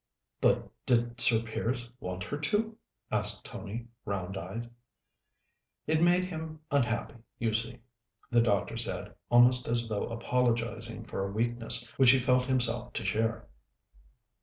"But did Sir Piers want her to?" asked Tony, round eyed. "It made him unhappy, you see," the doctor said, almost as though apologizing for a weakness which he felt himself to share.